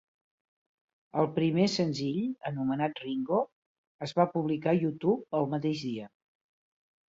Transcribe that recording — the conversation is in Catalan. El primer senzill, anomenat "Ringo", es va publicar a YouTube el mateix dia.